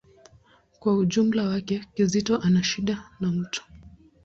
Kwa ujumla wake, Kizito hana shida na mtu.